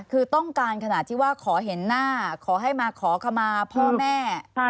คือต้องการขนาดที่ว่าขอเห็นหน้าขอให้มาขอขมาพ่อแม่